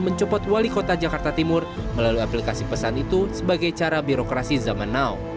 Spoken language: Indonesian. mencopot wali kota jakarta timur melalui aplikasi pesan itu sebagai cara birokrasi zaman now